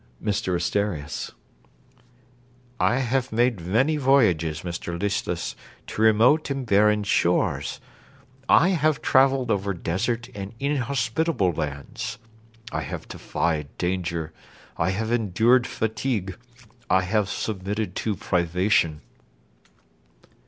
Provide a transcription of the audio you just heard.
MR ASTERIAS I have made many voyages, Mr Listless, to remote and barren shores: I have travelled over desert and inhospitable lands: I have defied danger I have endured fatigue I have submitted to privation.